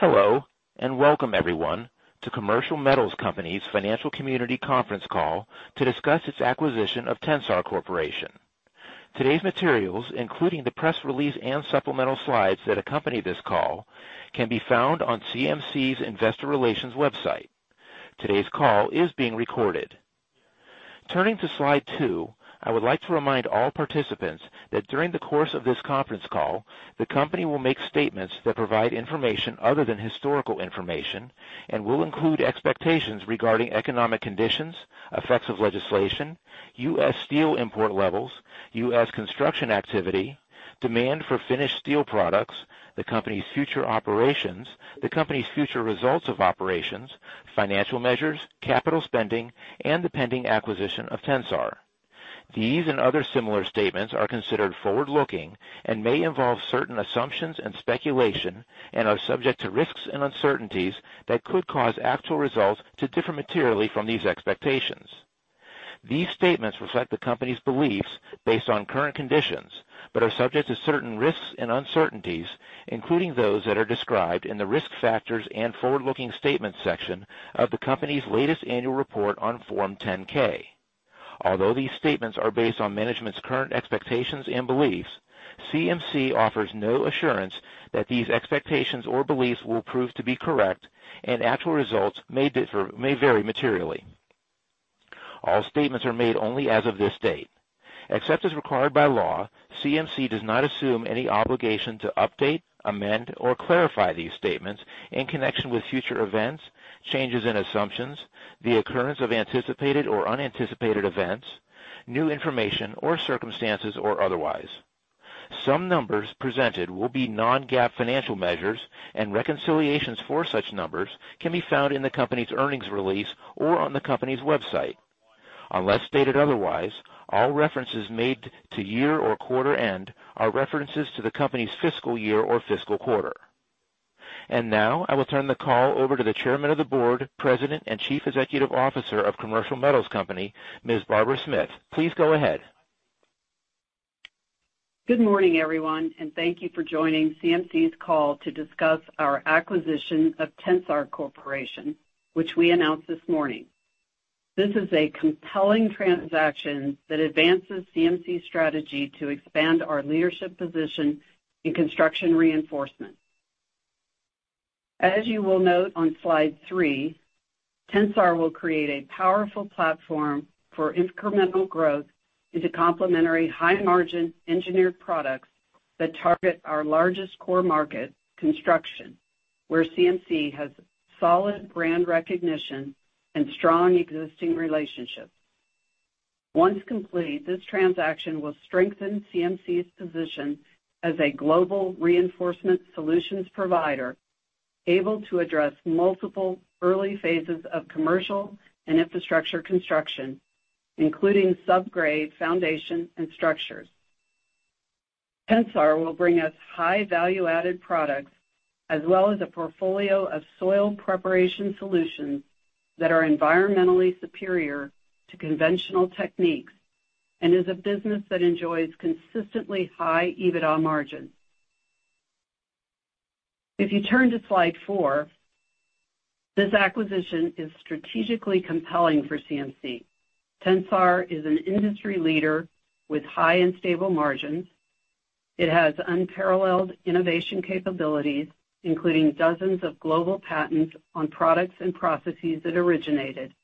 Hello, and welcome everyone to Commercial Metals Company's Financial Community Conference Call to discuss its acquisition of Tensar Corporation. Today's materials, including the press release and supplemental slides that accompany this call, can be found on CMC's Investor Relations website. Today's call is being recorded. Turning to slide two, I would like to remind all participants that during the course of this conference call, the company will make statements that provide information other than historical information and will include expectations regarding economic conditions, effects of legislation, U.S. steel import levels, U.S. construction activity, demand for finished steel products, the company's future operations, the company's future results of operations, financial measures, capital spending, and the pending acquisition of Tensar. These and other similar statements are considered forward-looking and may involve certain assumptions and speculation, and are subject to risks and uncertainties that could cause actual results to differ materially from these expectations. These statements reflect the company's beliefs based on current conditions, but are subject to certain risks and uncertainties, including those that are described in the Risk Factors and Forward-Looking Statements section of the company's latest annual report on Form 10-K. Although these statements are based on management's current expectations and beliefs, CMC offers no assurance that these expectations or beliefs will prove to be correct, and actual results may vary materially. All statements are made only as of this date. Except as required by law, CMC does not assume any obligation to update, amend, or clarify these statements in connection with future events, changes in assumptions, the occurrence of anticipated or unanticipated events, new information or circumstances or otherwise. Some numbers presented will be non-GAAP financial measures and reconciliations for such numbers can be found in the company's earnings release or on the company's website. Unless stated otherwise, all references made to year or quarter end are references to the company's fiscal year or fiscal quarter. Now, I will turn the call over to the Chairman of the Board, President, and Chief Executive Officer of Commercial Metals Company, Ms. Barbara Smith. Please go ahead. Good morning, everyone, and thank you for joining CMC's call to discuss our acquisition of Tensar Corporation, which we announced this morning. This is a compelling transaction that advances CMC's strategy to expand our leadership position in construction reinforcement. As you will note on slide three, Tensar will create a powerful platform for incremental growth into complementary high-margin engineered products that target our largest core market, construction, where CMC has solid brand recognition and strong existing relationships. Once complete, this transaction will strengthen CMC's position as a global reinforcement solutions provider, able to address multiple early phases of commercial and infrastructure construction, including subgrade foundation and structures. Tensar will bring us high value-added products, as well as a portfolio of soil preparation solutions that are environmentally superior to conventional techniques, and is a business that enjoys consistently high EBITDA margins. If you turn to slide four, this acquisition is strategically compelling for CMC. Tensar is an industry leader with high and stable margins. It has unparalleled innovation capabilities, including dozens of global patents on products and processes it originated.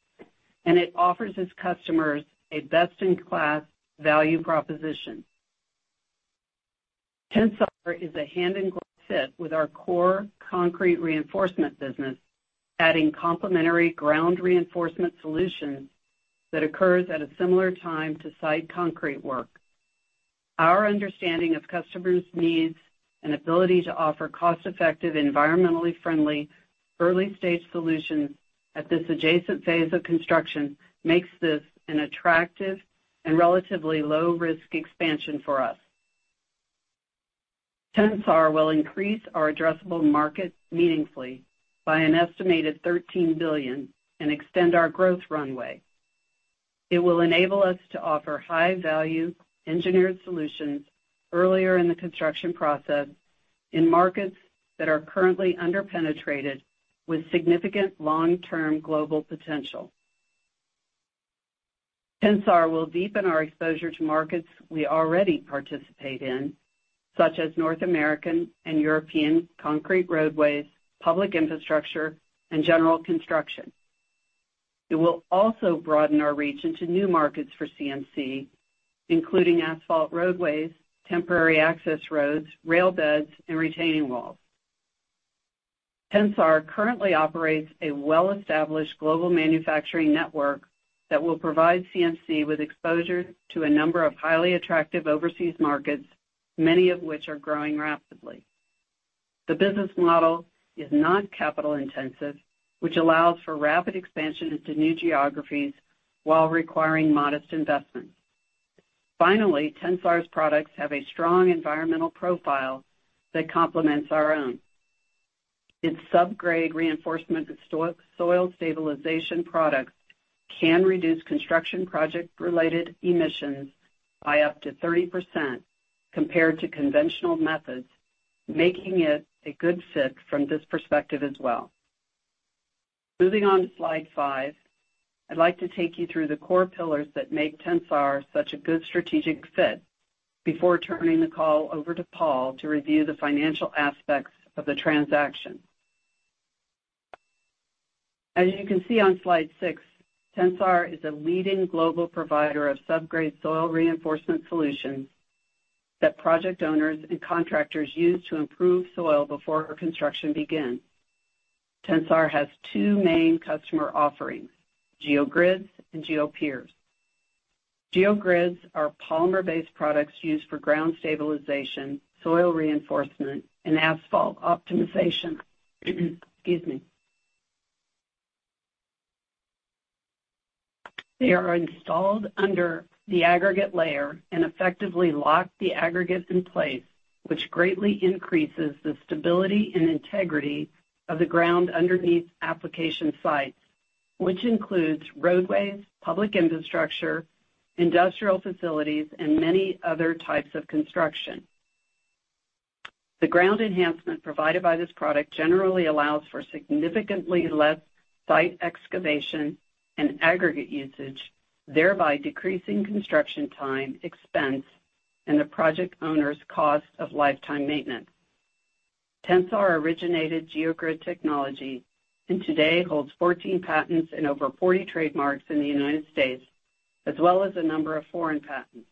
It offers its customers a best-in-class value proposition. Tensar is a hand-in-glove fit with our core concrete reinforcement business, adding complementary ground reinforcement solutions that occurs at a similar time to site concrete work. Our understanding of customers' needs and ability to offer cost-effective, environmentally friendly, early-stage solutions at this adjacent phase of construction makes this an attractive and relatively low-risk expansion for us. Tensar will increase our addressable market meaningfully by an estimated $13 billion and extend our growth runway. It will enable us to offer high-value engineered solutions earlier in the construction process in markets that are currently under-penetrated with significant long-term global potential. Tensar will deepen our exposure to markets we already participate in, such as North American and European concrete roadways, public infrastructure, and general construction. It will also broaden our reach into new markets for CMC, including asphalt roadways, temporary access roads, rail beds, and retaining walls. Tensar currently operates a well-established global manufacturing network that will provide CMC with exposure to a number of highly attractive overseas markets, many of which are growing rapidly. The business model is not capital-intensive, which allows for rapid expansion into new geographies while requiring modest investments. Finally, Tensar's products have a strong environmental profile that complements our own. Its subgrade reinforcement soil stabilization products can reduce construction project related emissions by up to 30% compared to conventional methods, making it a good fit from this perspective as well. Moving on to slide five, I'd like to take you through the core pillars that make Tensar such a good strategic fit before turning the call over to Paul to review the financial aspects of the transaction. As you can see on slide six, Tensar is a leading global provider of subgrade soil reinforcement solutions that project owners and contractors use to improve soil before construction begins. Tensar has two main customer offerings, Geogrids and Geopier. Geogrids are polymer-based products used for ground stabilization, soil reinforcement, and asphalt optimization. Excuse me. They are installed under the aggregate layer and effectively lock the aggregate in place, which greatly increases the stability and integrity of the ground underneath application sites, which includes roadways, public infrastructure, industrial facilities, and many other types of construction. The ground enhancement provided by this product generally allows for significantly less site excavation and aggregate usage, thereby decreasing construction time, expense, and the project owner's cost of lifetime maintenance. Tensar originated Geogrid technology and today holds 14 patents and over 40 trademarks in the United States, as well as a number of foreign patents.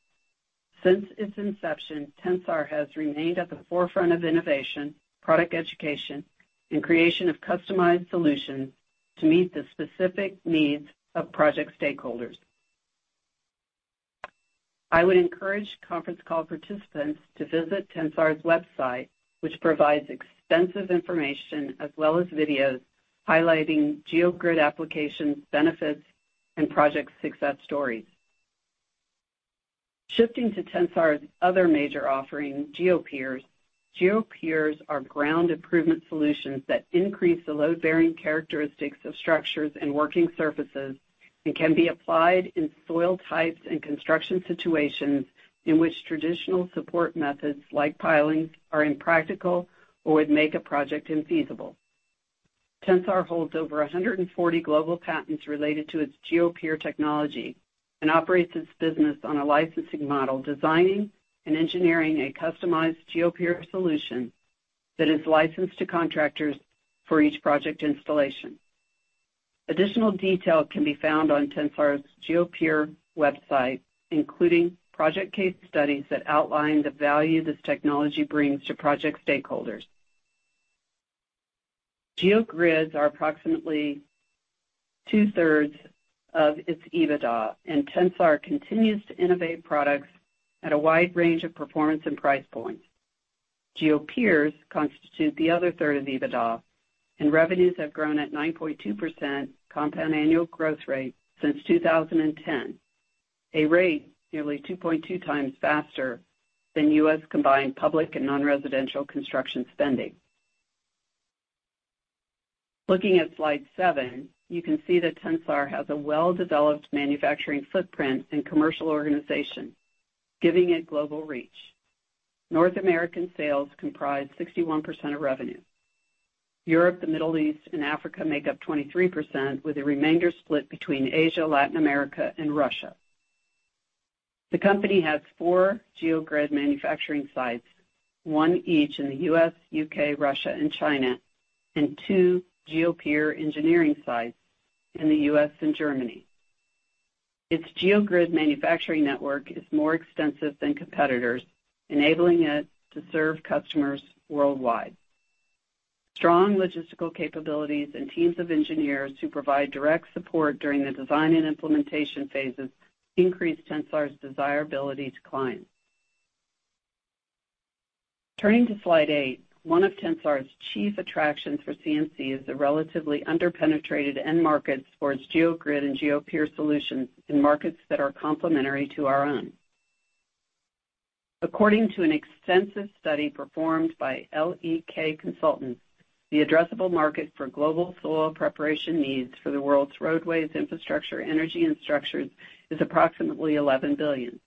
Since its inception, Tensar has remained at the forefront of innovation, product education, and creation of customized solutions to meet the specific needs of project stakeholders. I would encourage conference call participants to visit Tensar's website, which provides extensive information as well as videos highlighting Geogrid applications, benefits, and project success stories. Shifting to Tensar's other major offering, Geopier. Geopiers are ground improvement solutions that increase the load-bearing characteristics of structures and working surfaces, and can be applied in soil types and construction situations in which traditional support methods, like pilings, are impractical or would make a project infeasible. Tensar holds over 140 global patents related to its Geopier technology and operates its business on a licensing model, designing and engineering a customized Geopier solution that is licensed to contractors for each project installation. Additional detail can be found on Tensar's Geopier website, including project case studies that outline the value this technology brings to project stakeholders. Geogrids are approximately 2/3 of its EBITDA, and Tensar continues to innovate products at a wide range of performance and price points. Geopiers constitute the other third of EBITDA, and revenues have grown at 9.2% compound annual growth rate since 2010, a rate nearly 2.2x faster than U.S. combined public and non-residential construction spending. Looking at slide seven, you can see that Tensar has a well-developed manufacturing footprint and commercial organization, giving it global reach. North American sales comprise 61% of revenue. Europe, the Middle East, and Africa make up 23%, with the remainder split between Asia, Latin America, and Russia. The company has four Geogrid manufacturing sites, one each in the U.S., U.K., Russia, and China, and two Geopier engineering sites in the U.S. and Germany. Its Geogrid manufacturing network is more extensive than competitors, enabling it to serve customers worldwide. Strong logistical capabilities and teams of engineers who provide direct support during the design and implementation phases increase Tensar's desirability to clients. Turning to slide eight. One of Tensar's chief attractions for CMC is the relatively under-penetrated end markets for its Geogrid and Geopier solutions in markets that are complementary to our own. According to an extensive study performed by L.E.K. Consulting, the addressable market for global soil preparation needs for the world's roadways, infrastructure, energy, and structures is approximately $11 billion.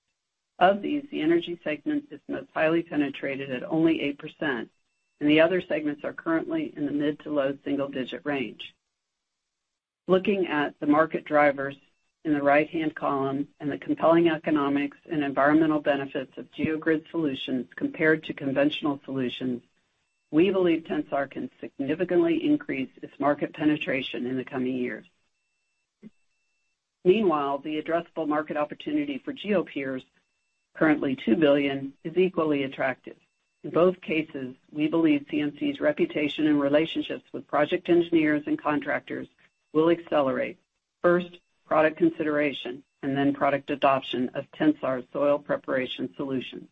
Of these, the energy segment is most highly penetrated at only 8%, and the other segments are currently in the mid- to low double single-digit range. Looking at the market drivers in the right-hand column and the compelling economics and environmental benefits of Geogrid solutions compared to conventional solutions, we believe Tensar can significantly increase its market penetration in the coming years. Meanwhile, the addressable market opportunity for Geopier, currently $2 billion, is equally attractive. In both cases, we believe CMC's reputation and relationships with project engineers and contractors will accelerate first product consideration and then product adoption of Tensar's soil preparation solution.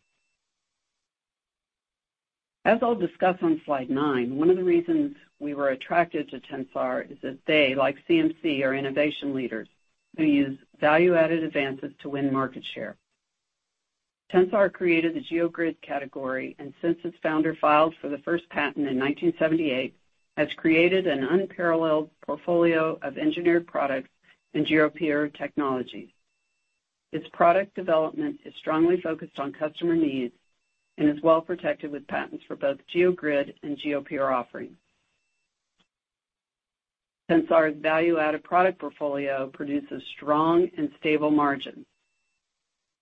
As I'll discuss on slide nine, one of the reasons we were attracted to Tensar is that they, like CMC, are innovation leaders who use value-added advances to win market share. Tensar created the geogrid category, and since its founder filed for the first patent in 1978, has created an unparalleled portfolio of engineered products and Geopier technologies. Its product development is strongly focused on customer needs and is well-protected with patents for both geogrid and Geopier offerings. Tensar's value-added product portfolio produces strong and stable margins.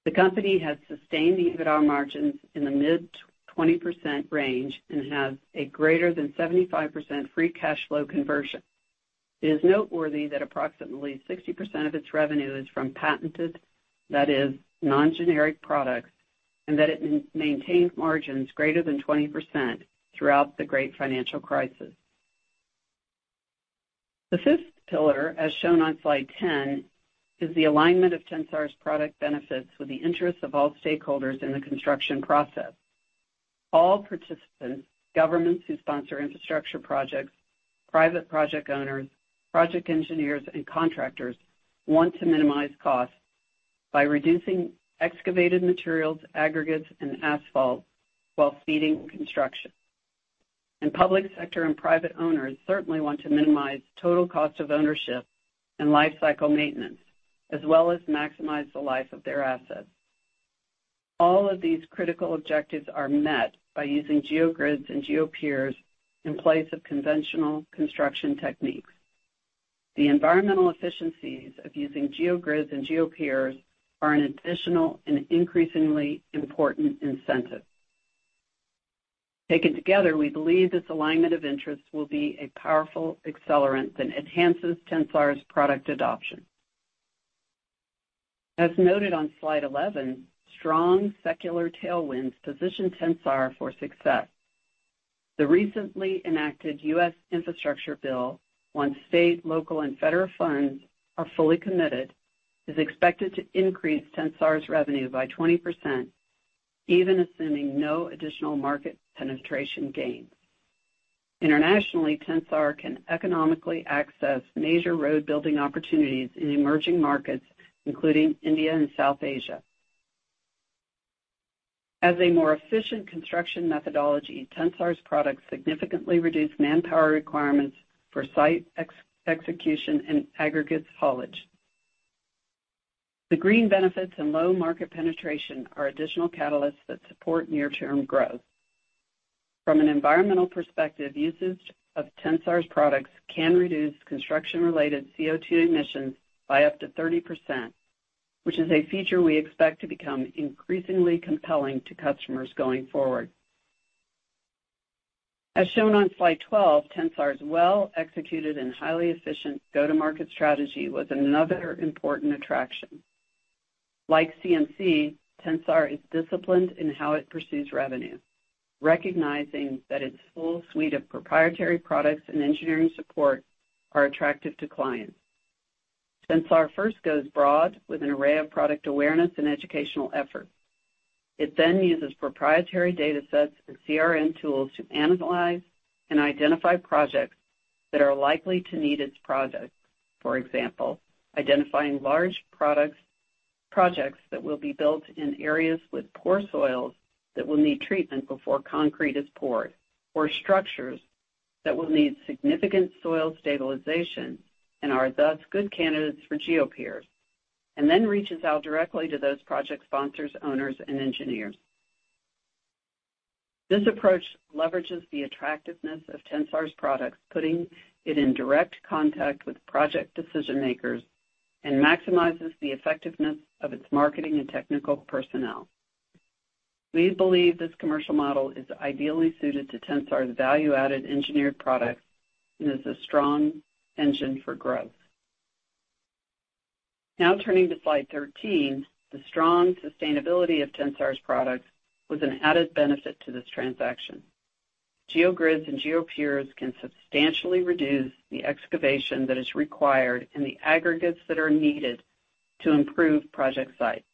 The company has sustained EBITDA margins in the mid-20% range and has a greater than 75% free cash flow conversion. It is noteworthy that approximately 60% of its revenue is from patented, that is non-generic products, and that it maintains margins greater than 20% throughout the great financial crisis. The fifth pillar, as shown on slide 10, is the alignment of Tensar's product benefits with the interests of all stakeholders in the construction process. All participants, governments who sponsor infrastructure projects, private project owners, project engineers, and contractors want to minimize costs by reducing excavated materials, aggregates, and asphalt while speeding construction. Public sector and private owners certainly want to minimize total cost of ownership and lifecycle maintenance, as well as maximize the life of their assets. All of these critical objectives are met by using geogrids and Geopiers in place of conventional construction techniques. The environmental efficiencies of using geogrids and Geopiers are an additional and increasingly important incentive. Taken together, we believe this alignment of interests will be a powerful accelerant that enhances Tensar's product adoption. As noted on slide 11, strong secular tailwinds position Tensar for success. The recently enacted U.S. infrastructure bill, once state, local, and federal funds are fully committed, is expected to increase Tensar's revenue by 20%, even assuming no additional market penetration gains. Internationally, Tensar can economically access major road building opportunities in emerging markets, including India and South Asia. As a more efficient construction methodology, Tensar's products significantly reduce manpower requirements for site excavation and aggregates haulage. The green benefits and low market penetration are additional catalysts that support near-term growth. From an environmental perspective, usage of Tensar's products can reduce construction-related CO2 emissions by up to 30%, which is a feature we expect to become increasingly compelling to customers going forward. As shown on slide 12, Tensar's well-executed and highly efficient go-to-market strategy was another important attraction. Like CMC, Tensar is disciplined in how it pursues revenue, recognizing that its full suite of proprietary products and engineering support are attractive to clients. Tensar first goes broad with an array of product awareness and educational efforts. It then uses proprietary datasets and CRM tools to analyze and identify projects that are likely to need its products. For example, identifying large projects that will be built in areas with poor soils that will need treatment before concrete is poured, or structures that will need significant soil stabilization and are thus good candidates for Geopier, and then reaches out directly to those project sponsors, owners, and engineers. This approach leverages the attractiveness of Tensar's products, putting it in direct contact with project decision-makers and maximizes the effectiveness of its marketing and technical personnel. We believe this commercial model is ideally suited to Tensar's value-added engineered products and is a strong engine for growth. Now turning to slide 13, the strong sustainability of Tensar's products was an added benefit to this transaction. Geogrids and Geopiers can substantially reduce the excavation that is required and the aggregates that are needed to improve project sites.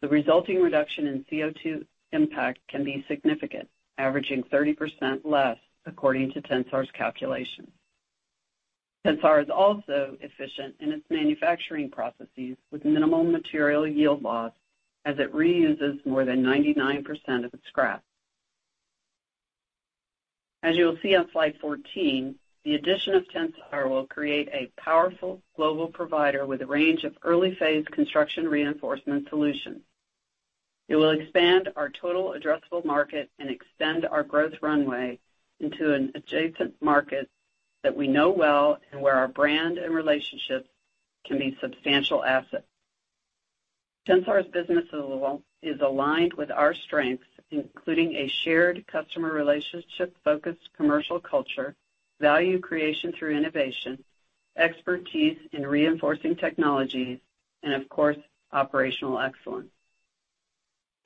The resulting reduction in CO2 impact can be significant, averaging 30% less according to Tensar's calculations. Tensar is also efficient in its manufacturing processes with minimal material yield loss, as it reuses more than 99% of its scrap. As you will see on slide 14, the addition of Tensar will create a powerful global provider with a range of early-phase construction reinforcement solutions. It will expand our total addressable market and extend our growth runway into an adjacent market that we know well and where our brand and relationships can be substantial assets. Tensar's business level is aligned with our strengths, including a shared customer relationship-focused commercial culture, value creation through innovation, expertise in reinforcing technologies, and of course, operational excellence.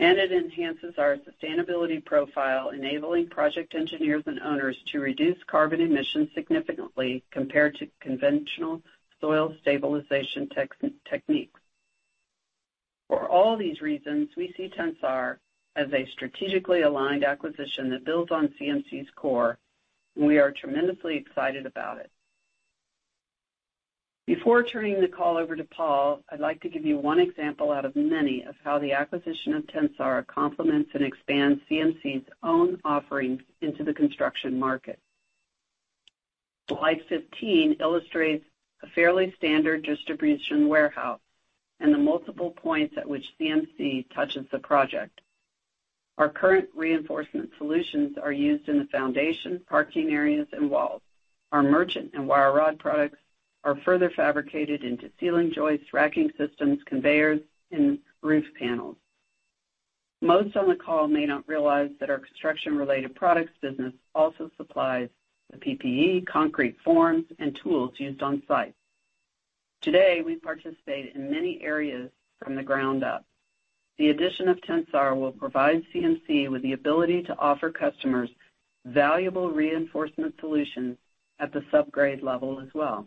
It enhances our sustainability profile, enabling project engineers and owners to reduce carbon emissions significantly compared to conventional soil stabilization techniques. For all these reasons, we see Tensar as a strategically aligned acquisition that builds on CMC's core, and we are tremendously excited about it. Before turning the call over to Paul, I'd like to give you one example out of many of how the acquisition of Tensar complements and expands CMC's own offerings into the construction market. Slide 15 illustrates a fairly standard distribution warehouse and the multiple points at which CMC touches the project. Our current reinforcement solutions are used in the foundation, parking areas, and walls. Our merchant and wire rod products are further fabricated into ceiling joists, racking systems, conveyors, and roof panels. Most on the call may not realize that our construction-related products business also supplies the PPE, concrete forms, and tools used on site. Today, we participate in many areas from the ground up. The addition of Tensar will provide CMC with the ability to offer customers valuable reinforcement solutions at the subgrade level as well.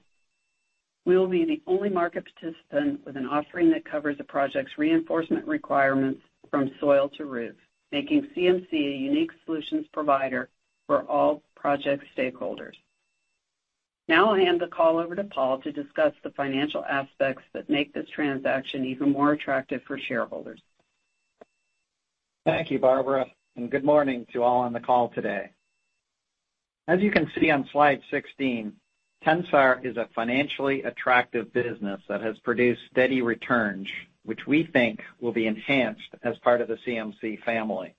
We will be the only market participant with an offering that covers a project's reinforcement requirements from soil to roof, making CMC a unique solutions provider for all project stakeholders. Now I'll hand the call over to Paul to discuss the financial aspects that make this transaction even more attractive for shareholders. Thank you, Barbara, and good morning to all on the call today. As you can see on slide 16, Tensar is a financially attractive business that has produced steady returns, which we think will be enhanced as part of the CMC family.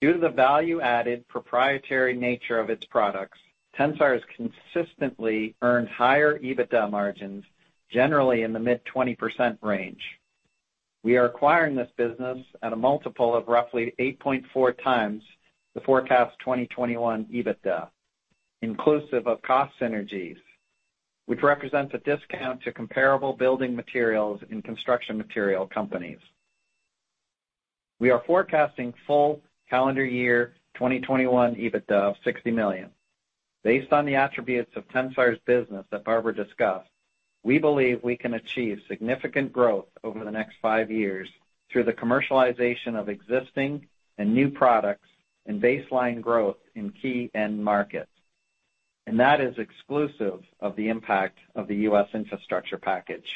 Due to the value-added proprietary nature of its products, Tensar has consistently earned higher EBITDA margins, generally in the mid-20% range. We are acquiring this business at a multiple of roughly 8.4x the forecast 2021 EBITDA, inclusive of cost synergies, which represents a discount to comparable building materials in construction material companies. We are forecasting full calendar year 2021 EBITDA of $60 million. Based on the attributes of Tensar's business that Barbara discussed, we believe we can achieve significant growth over the next five years through the commercialization of existing and new products and baseline growth in key end markets. That is exclusive of the impact of the U.S. infrastructure package.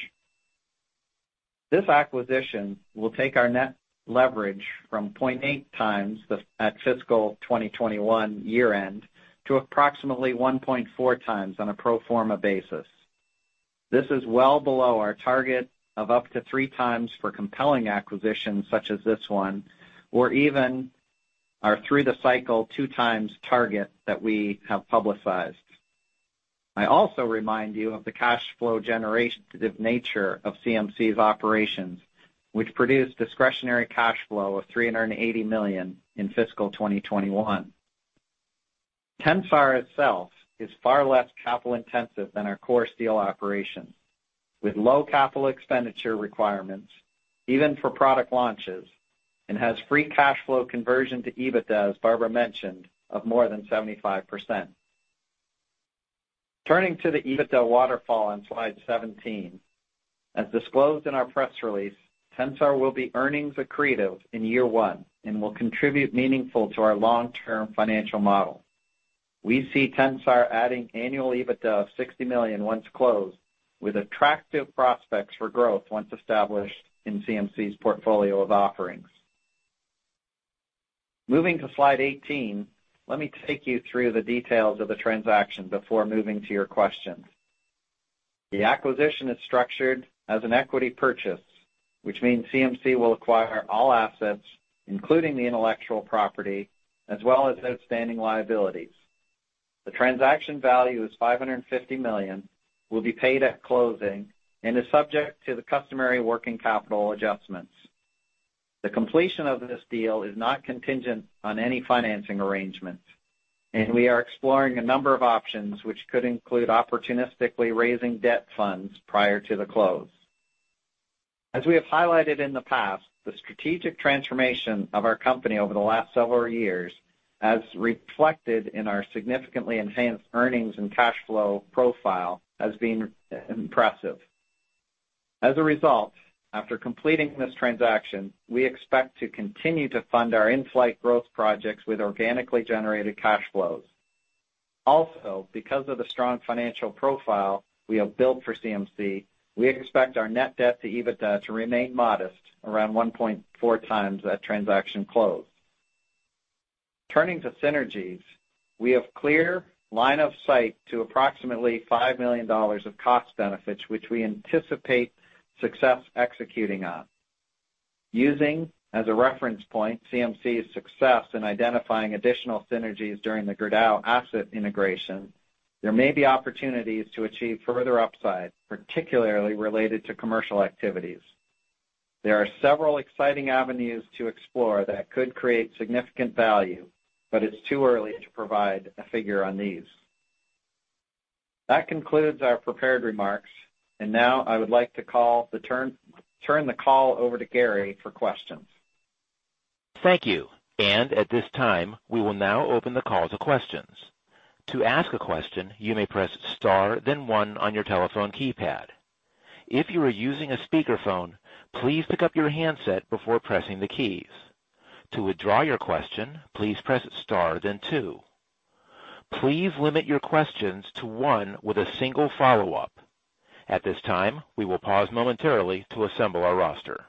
This acquisition will take our net leverage from 0.8x at fiscal 2021 year-end to approximately 1.4x on a pro forma basis. This is well below our target of up to 3x for compelling acquisitions such as this one, or even our through the cycle 2x target that we have publicized. I also remind you of the cash flow generative nature of CMC's operations, which produced discretionary cash flow of $380 million in fiscal 2021. Tensar itself is far less capital-intensive than our core steel operations, with low capital expenditure requirements even for product launches, and has free cash flow conversion to EBITDA, as Barbara mentioned, of more than 75%. Turning to the EBITDA waterfall on slide 17. As disclosed in our press release, Tensar will be earnings accretive in year one and will contribute meaningful to our long-term financial model. We see Tensar adding annual EBITDA of $60 million once closed, with attractive prospects for growth once established in CMC's portfolio of offerings. Moving to slide 18, let me take you through the details of the transaction before moving to your questions. The acquisition is structured as an equity purchase, which means CMC will acquire all assets, including the intellectual property, as well as outstanding liabilities. The transaction value is $550 million, will be paid at closing, and is subject to the customary working capital adjustments. The completion of this deal is not contingent on any financing arrangements, and we are exploring a number of options which could include opportunistically raising debt funds prior to the close. As we have highlighted in the past, the strategic transformation of our company over the last several years, as reflected in our significantly enhanced earnings and cash flow profile, has been impressive. As a result, after completing this transaction, we expect to continue to fund our in-flight growth projects with organically generated cash flows. Also, because of the strong financial profile we have built for CMC, we expect our net debt to EBITDA to remain modest, around 1.4x at transaction close. Turning to synergies, we have clear line of sight to approximately $5 million of cost benefits, which we anticipate success executing on. Using, as a reference point, CMC's success in identifying additional synergies during the Gerdau asset integration, there may be opportunities to achieve further upside, particularly related to commercial activities. There are several exciting avenues to explore that could create significant value, but it's too early to provide a figure on these. That concludes our prepared remarks. Now I would like to turn the call over to Gary for questions. Thank you. At this time, we will now open the call to questions. To ask a question, you may press star then one on your telephone keypad. If you are using a speakerphone, please pick up your handset before pressing the keys. To withdraw your question, please press star then two. Please limit your questions to one with a single follow-up. At this time, we will pause momentarily to assemble our roster.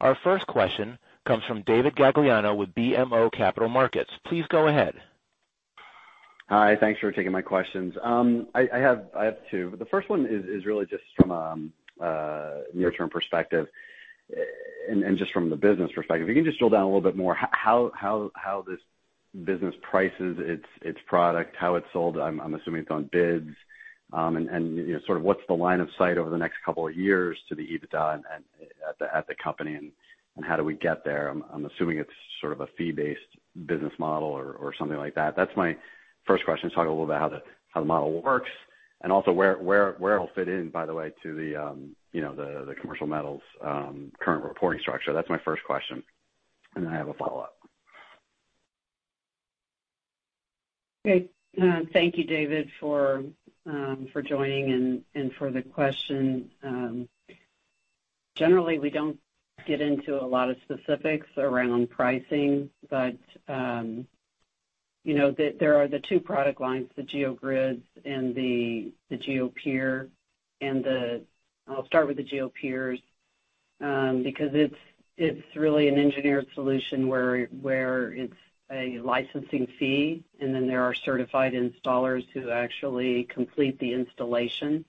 Our first question comes from David Gagliano with BMO Capital Markets. Please go ahead. Hi. Thanks for taking my questions. I have two. The first one is really just from a near-term perspective and just from the business perspective. If you can just drill down a little bit more how this business prices its product, how it's sold. I'm assuming it's on bids, and you know, sort of what's the line of sight over the next couple of years to the EBITDA and at the company, and how do we get there? I'm assuming it's sort of a fee-based business model or something like that. That's my first question, is talk a little about how the model works, and also where it'll fit in, by the way, to you know, the Commercial Metals' current reporting structure. That's my first question, and then I have a follow-up. Okay. Thank you, David, for joining and for the question. Generally, we don't get into a lot of specifics around pricing, but you know, there are the two product lines, the Geogrids and the Geopier. I'll start with the Geopier because it's really an engineered solution where it's a licensing fee, and then there are certified installers who actually complete the installation.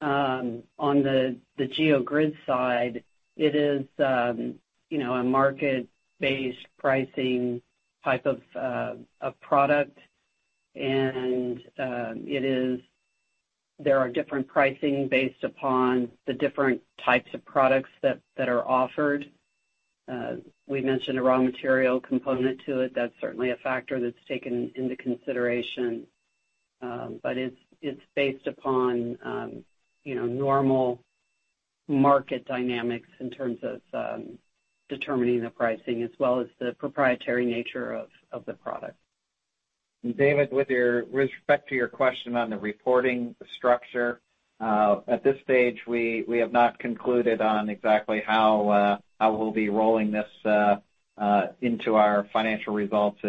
On the Geogrid side, it is you know, a market-based pricing type of a product. There are different pricing based upon the different types of products that are offered. We mentioned a raw material component to it. That's certainly a factor that's taken into consideration. It's based upon, you know, normal market dynamics in terms of determining the pricing as well as the proprietary nature of the product. David, with respect to your question on the reporting structure, at this stage, we have not concluded on exactly how we'll be rolling this into our financial results.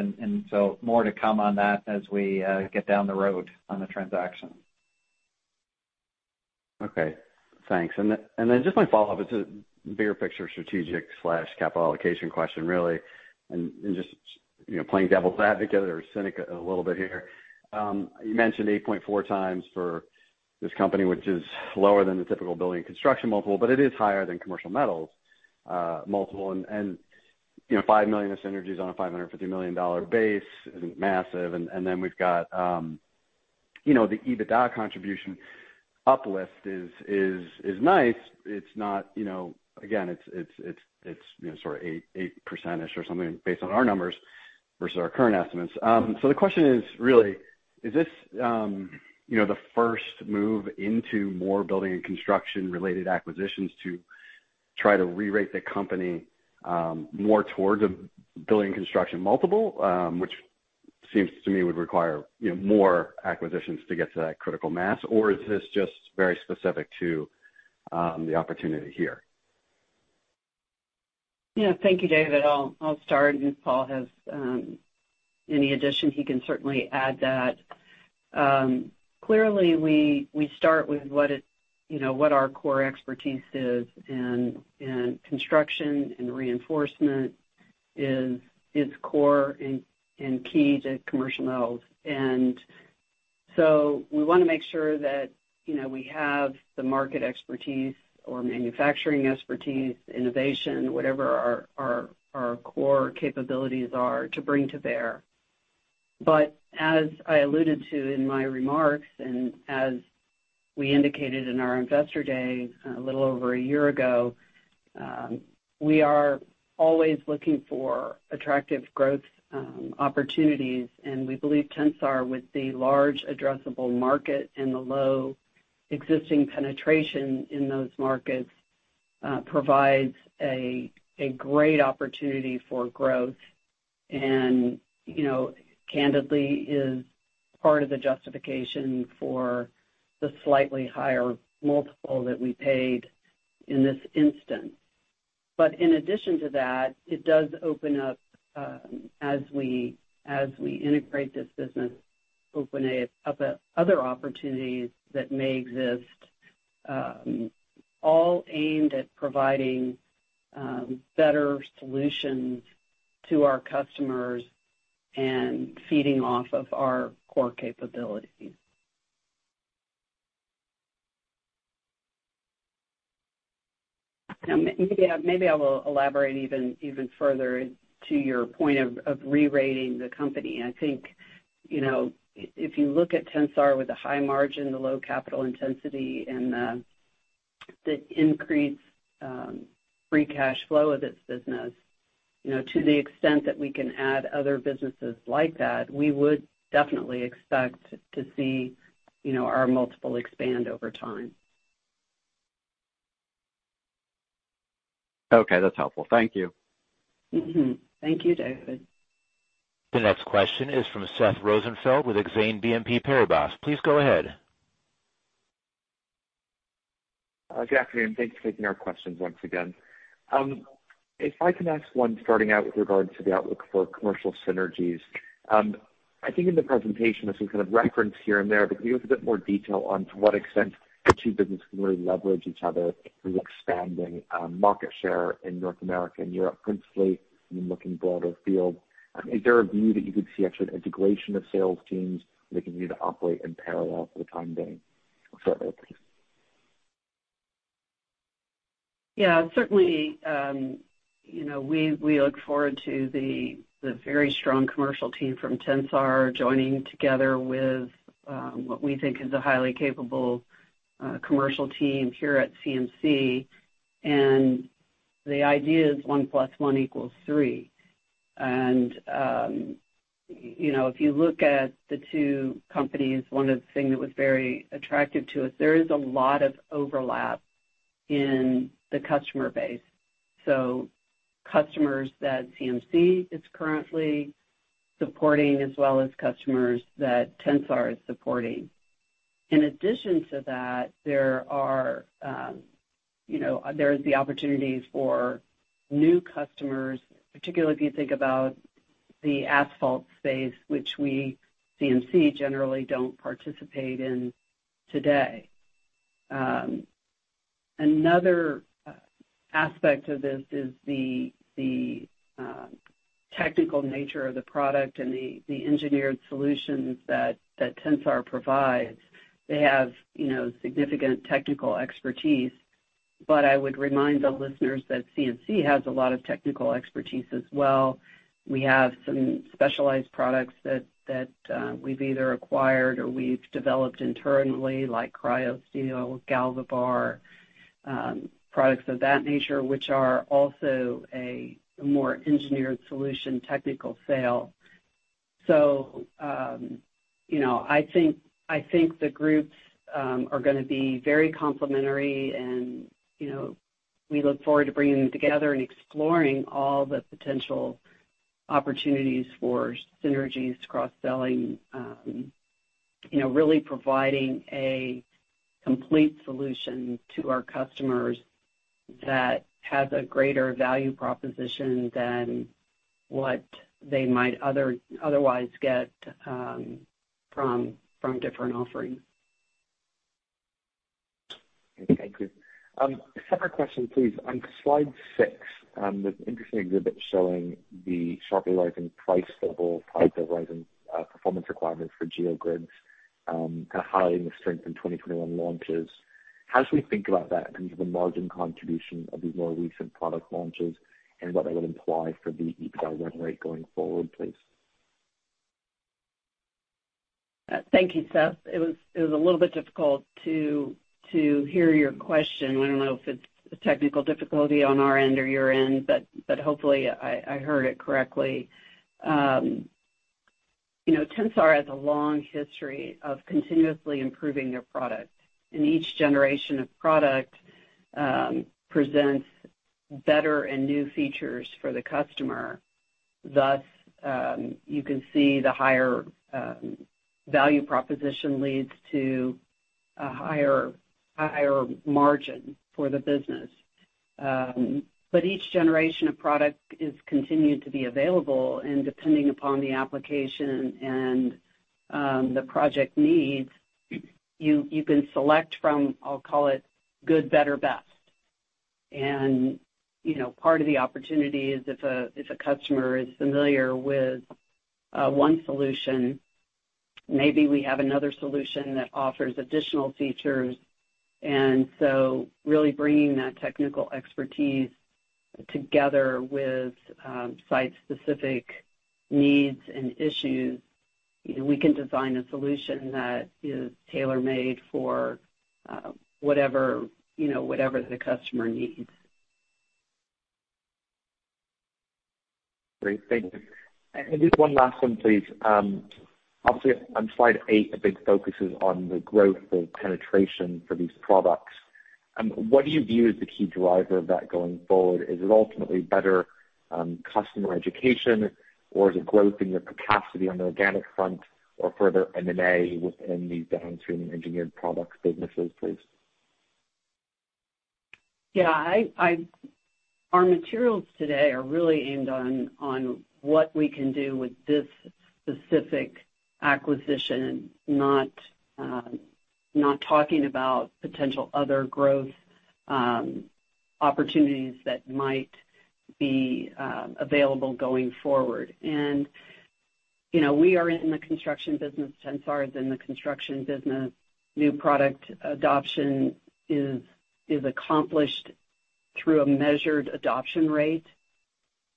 More to come on that as we get down the road on the transaction. Okay. Thanks. Just my follow-up, it's a bigger picture strategic/capital allocation question, really. Just you know playing devil's advocate or cynic a little bit here. You mentioned 8.4x for this company, which is lower than the typical building construction multiple, but it is higher than Commercial Metals' multiple. You know $5 million of synergies on a $550 million base isn't massive. Then we've got you know the EBITDA contribution uplift is nice. It's not you know. Again, it's you know sort of 8%-ish or something based on our numbers versus our current estimates. The question is, really, is this, you know, the first move into more building and construction-related acquisitions to try to re-rate the company, more towards a building construction multiple, which seems to me would require, you know, more acquisitions to get to that critical mass? Or is this just very specific to the opportunity here? Yeah. Thank you, David. I'll start, and if Paul has any addition, he can certainly add that. Clearly, we start with you know what our core expertise is. Construction and reinforcement is core and key to Commercial Metals. We wanna make sure that you know we have the market expertise or manufacturing expertise, innovation, whatever our core capabilities are to bring to bear. As I alluded to in my remarks, and as we indicated in our investor day a little over a year ago, we are always looking for attractive growth opportunities. We believe Tensar, with the large addressable market and the low existing penetration in those markets, provides a great opportunity for growth and, you know, candidly is part of the justification for the slightly higher multiple that we paid in this instance. But in addition to that, it does open up, as we integrate this business, other opportunities that may exist, all aimed at providing better solutions to our customers and feeding off of our core capabilities. Maybe I will elaborate even further to your point of re-rating the company. I think, you know, if you look at Tensar with a high margin, the low capital intensity, and the increased free cash flow of this business, you know, to the extent that we can add other businesses like that, we would definitely expect to see, you know, our multiple expand over time. Okay, that's helpful. Thank you. Thank you, David. The next question is from Seth Rosenfeld with BNP Paribas Exane. Please go ahead. Jacqueline, thanks for taking our questions once again. If I can ask one starting out with regards to the outlook for commercial synergies. I think in the presentation there's some kind of reference here and there, but can you give a bit more detail on to what extent the two businesses can really leverage each other through expanding market share in North America and Europe, principally, and then looking broader afield? Is there a view that you could see actually an integration of sales teams, or they continue to operate in parallel for the time being? Yeah, certainly, you know, we look forward to the very strong commercial team from Tensar joining together with what we think is a highly capable commercial team here at CMC, and the idea is one plus one equals three. You know, if you look at the two companies, one of the things that was very attractive to us, there is a lot of overlap in the customer base. So customers that CMC is currently supporting, as well as customers that Tensar is supporting. In addition to that, there are, you know, there's the opportunities for new customers, particularly if you think about the asphalt space, which we, CMC, generally don't participate in today. Another aspect of this is the technical nature of the product and the engineered solutions that Tensar provides. They have, you know, significant technical expertise, but I would remind the listeners that CMC has a lot of technical expertise as well. We have some specialized products that we've either acquired or we've developed internally, like CryoSteel, GalvaBar, products of that nature, which are also a more engineered solution, technical sale. You know, I think the groups are gonna be very complementary and, you know, we look forward to bringing them together and exploring all the potential opportunities for synergies, cross-selling, really providing a complete solution to our customers that has a greater value proposition than what they might otherwise get from different offerings. Okay, good. Separate question, please. On slide six, there's an interesting exhibit showing the sharply rising price level tied to rising performance requirements for geogrids, kind of highlighting the strength in 2021 launches. How should we think about that in terms of the margin contribution of these more recent product launches and what that would imply for the EBITDA run rate going forward, please? Thank you, Seth. It was a little bit difficult to hear your question. I don't know if it's a technical difficulty on our end or your end, but hopefully I heard it correctly. You know, Tensar has a long history of continuously improving their product, and each generation of product presents better and new features for the customer. Thus, you can see the higher value proposition leads to a higher margin for the business. But each generation of product is continued to be available, and depending upon the application and the project needs, you can select from, I'll call it good, better, best. You know, part of the opportunity is if a customer is familiar with one solution, maybe we have another solution that offers additional features. Really bringing that technical expertise together with site-specific needs and issues, you know, we can design a solution that is tailor-made for whatever, you know, whatever the customer needs. Great. Thank you. Just one last one, please. Obviously on slide eight, a big focus is on the growth of penetration for these products. What do you view as the key driver of that going forward? Is it ultimately better customer education, or is it growth in your capacity on the organic front or further M&A within these downstream engineered products businesses, please? Our materials today are really aimed on what we can do with this specific acquisition, not talking about potential other growth opportunities that might be available going forward. You know, we are in the construction business, Tensar is in the construction business. New product adoption is accomplished through a measured adoption rate.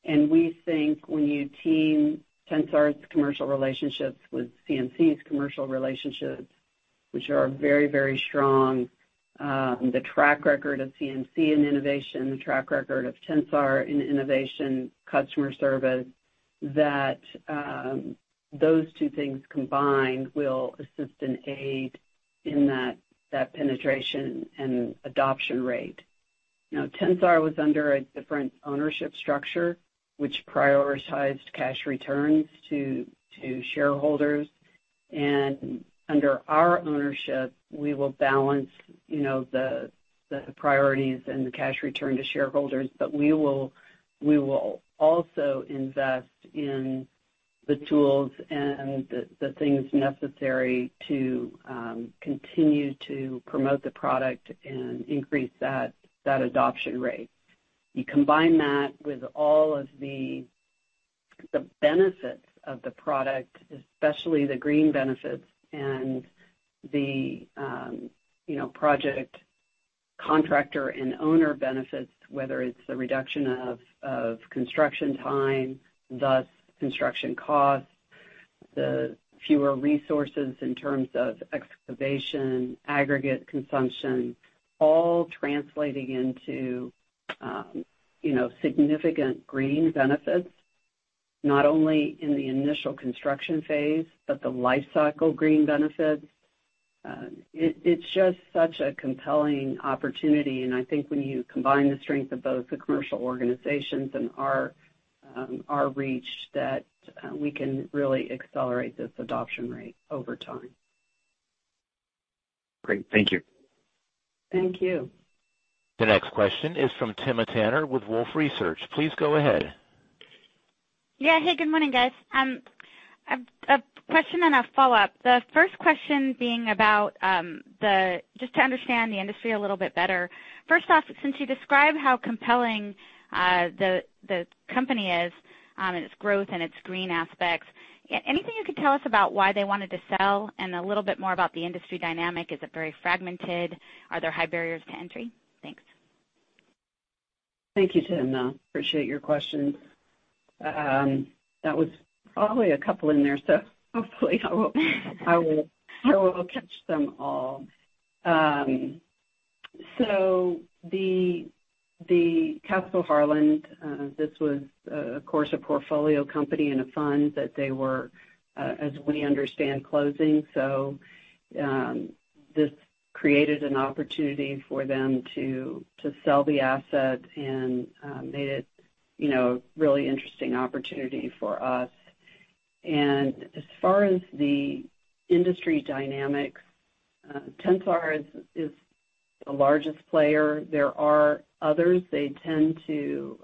We think when you team Tensar's commercial relationships with CMC's commercial relationships, which are very strong, the track record of CMC in innovation, the track record of Tensar in innovation, customer service. That those two things combined will assist and aid in that penetration and adoption rate. You know, Tensar was under a different ownership structure, which prioritized cash returns to shareholders. Under our ownership, we will balance, you know, the priorities and the cash return to shareholders, but we will also invest in the tools and the things necessary to continue to promote the product and increase that adoption rate. You combine that with all of the benefits of the product, especially the green benefits and the, you know, project contractor and owner benefits, whether it's the reduction of construction time, thus construction costs, the fewer resources in terms of excavation, aggregate consumption, all translating into, you know, significant green benefits, not only in the initial construction phase, but the lifecycle green benefits. It is just such a compelling opportunity, and I think when you combine the strength of both the commercial organizations and our reach that we can really accelerate this adoption rate over time. Great. Thank you. Thank you. The next question is from Timna Tanners with Wolfe Research. Please go ahead. Yeah. Hey, good morning, guys. A question and a follow-up. The first question being about just to understand the industry a little bit better. First off, since you described how compelling the company is and its growth and its green aspects, anything you could tell us about why they wanted to sell and a little bit more about the industry dynamic? Is it very fragmented? Are there high barriers to entry? Thanks. Thank you, Timna. Appreciate your questions. That was probably a couple in there, so hopefully I will catch them all. The Castle Harlan, this was, of course, a portfolio company and a fund that they were, as we understand, closing. This created an opportunity for them to sell the asset and made it, you know, a really interesting opportunity for us. As far as the industry dynamics, Tensar is the largest player. There are others. They tend to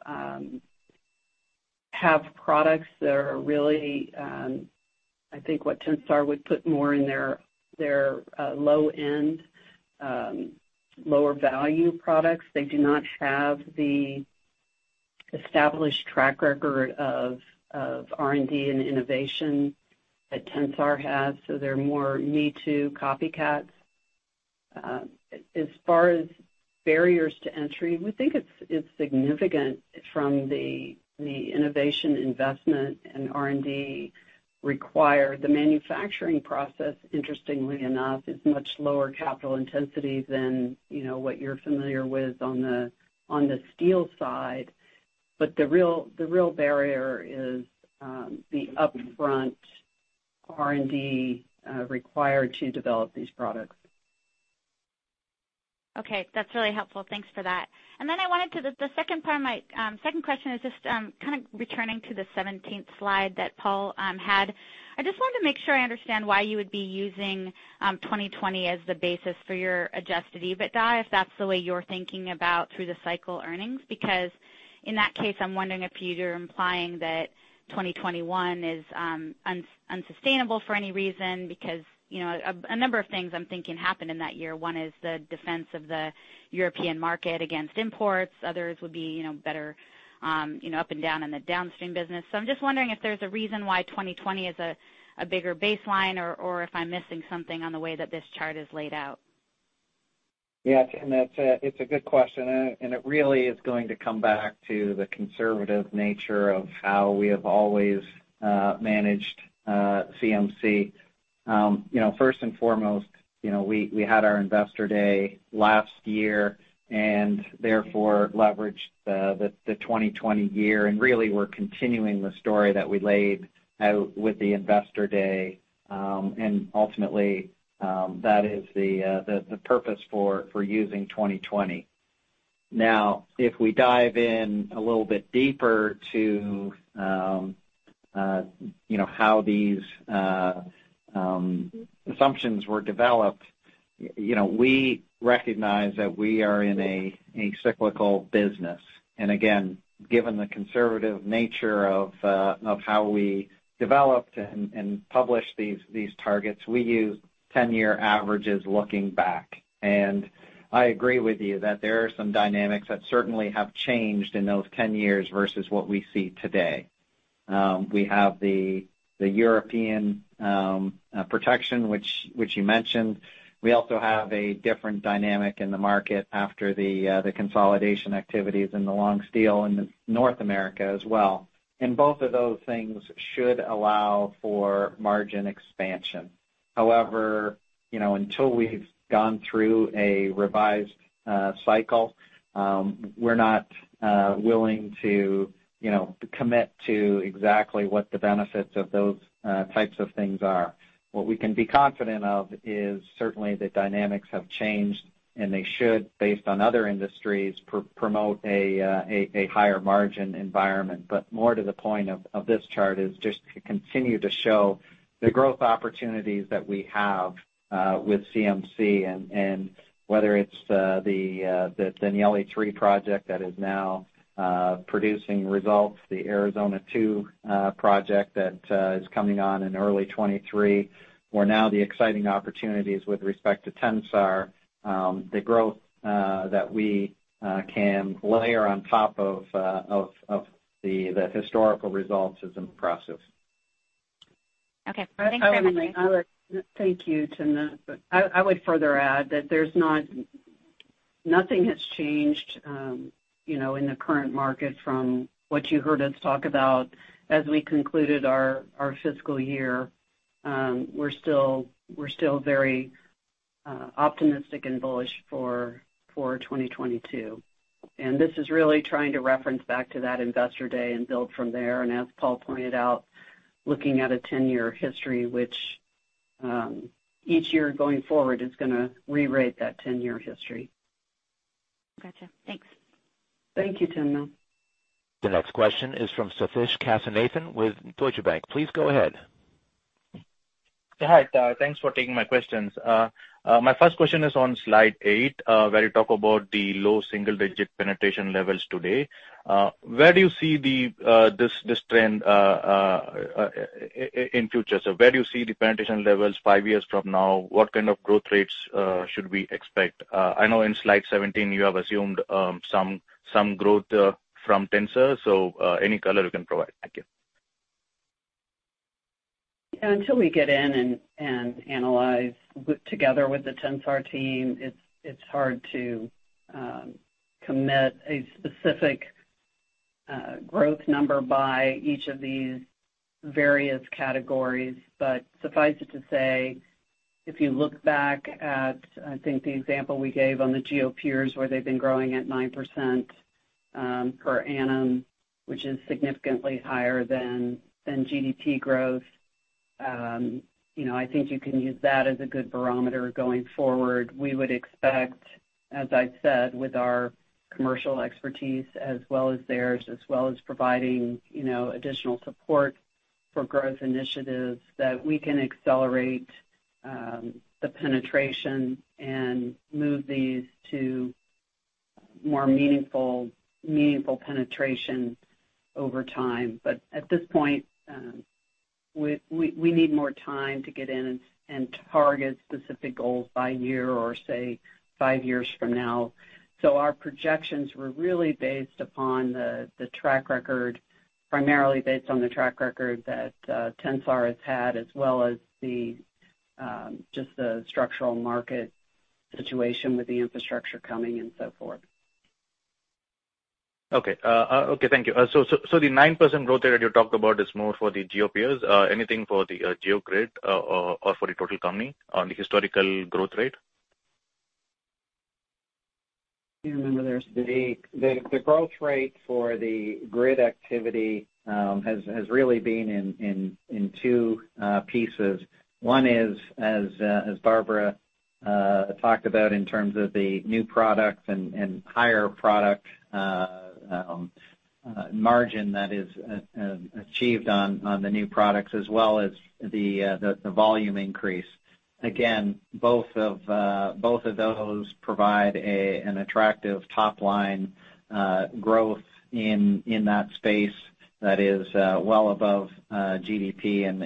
have products that are really, I think what Tensar would put more in their low end, lower value products. They do not have the established track record of R&D and innovation that Tensar has, so they're more me too copycats. As far as barriers to entry, we think it's significant from the innovation investment and R&D required. The manufacturing process, interestingly enough, is much lower capital intensity than you know what you're familiar with on the steel side. The real barrier is the upfront R&D required to develop these products. Okay. That's really helpful. Thanks for that. The second part of my second question is just kind of returning to the 17th slide that Paul had. I just wanted to make sure I understand why you would be using 2020 as the basis for your adjusted EBITDA, if that's the way you're thinking about through the cycle earnings. Because in that case, I'm wondering if you're implying that 2021 is unsustainable for any reason, because you know, a number of things I'm thinking happened in that year. One is the defense of the European market against imports. Others would be, you know, better you know, up and down in the downstream business. I'm just wondering if there's a reason why 2020 is a bigger baseline or if I'm missing something on the way that this chart is laid out. Yeah. Timna, it's a good question. It really is going to come back to the conservative nature of how we have always managed CMC. You know, first and foremost, you know, we had our Investor Day last year, and therefore leveraged the 2020 year. Really, we're continuing the story that we laid out with the Investor Day. Ultimately, that is the purpose for using 2020. Now, if we dive in a little bit deeper to how these assumptions were developed, you know, we recognize that we are in a cyclical business. Again, given the conservative nature of how we developed and published these targets, we use 10-year averages looking back. I agree with you that there are some dynamics that certainly have changed in those 10 years versus what we see today. We have the European protection, which you mentioned. We also have a different dynamic in the market after the consolidation activities in the long steel in North America as well. Both of those things should allow for margin expansion. However, you know, until we've gone through a revised cycle, we're not willing to, you know, to commit to exactly what the benefits of those types of things are. What we can be confident of is certainly the dynamics have changed, and they should, based on other industries, promote a higher margin environment. More to the point of this chart is just to continue to show the growth opportunities that we have with CMC and whether it's the Danieli 3 project that is now producing results, the Arizona 2 project that is coming on in early 2023, where now the exciting opportunities with respect to Tensar, the growth that we can layer on top of the historical results is impressive. Okay. Thanks very much. Thank you, Timna. I would further add that nothing has changed, you know, in the current market from what you heard us talk about as we concluded our fiscal year. We're still very optimistic and bullish for 2022. This is really trying to reference back to that investor day and build from there. As Paul pointed out, looking at a 10-year history, which each year going forward is gonna rewrite that 10-year history. Gotcha. Thanks. Thank you, Timna. The next question is from Sathish Kasinathan with Deutsche Bank. Please go ahead. Hi. Thanks for taking my questions. My first question is on slide eight, where you talk about the low single-digit penetration levels today. Where do you see this trend in future? Where do you see the penetration levels five years from now? What kind of growth rates should we expect? I know in slide 17 you have assumed some growth from Tensar, so any color you can provide. Thank you. Until we get in and analyze together with the Tensar team, it's hard to commit a specific growth number by each of these various categories. Suffice it to say, if you look back at, I think the example we gave on the Geopier where they've been growing at 9% per annum, which is significantly higher than GDP growth, you know, I think you can use that as a good barometer going forward. We would expect, as I've said, with our commercial expertise as well as theirs, as well as providing, you know, additional support for growth initiatives, that we can accelerate the penetration and move these to more meaningful penetration over time. At this point, we need more time to get in and target specific goals by year or say five years from now. Our projections were really based upon the track record, primarily based on the track record that Tensar has had as well as just the structural market situation with the infrastructure coming and so forth. Okay. Okay, thank you. The 9% growth rate that you talked about is more for the Geopier. Anything for the geogrid, or for the total company on the historical growth rate? Yeah, I mean, there's the growth rate for the geogrid activity has really been in two pieces. One is, as Barbara talked about in terms of the new products and higher product margin that is achieved on the new products as well as the volume increase. Again, both of those provide an attractive top line growth in that space that is well above GDP and